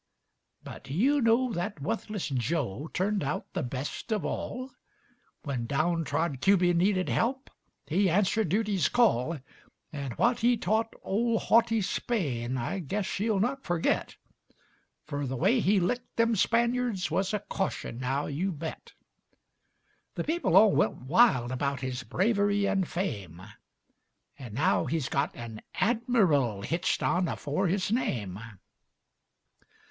But do you know that wuthless Joe Turned out the best of all? When down trod Cuby needed help, He answered duty's call, An' what he taught ol' haughty Spain I guess she'll not forget; Fer the way he licked them Spanyards Wuz a caution, now, you bet! The people all went wild about His bravery and fame, An' now he's got an "Admiral" Hitched on afore his name.